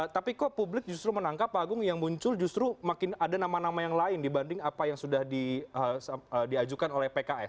tapi kok publik justru menangkap pak agung yang muncul justru makin ada nama nama yang lain dibanding apa yang sudah diajukan oleh pks